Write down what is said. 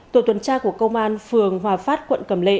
tổ tuần tra của công an phường hòa phát quận cầm lệ